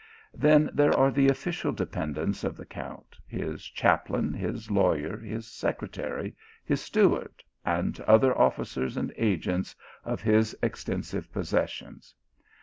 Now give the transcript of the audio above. Then there are the official de pendents of the Count, his chaplain, his lawyer, his secretary, his steward, and other officers and agents of his extensive possessions.